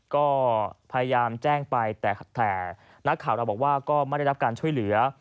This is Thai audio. ก็พยายามแจ้งไปแต่นักข่าวเราบอกว่าก็ไม่ได้รับการช่วยเหลือ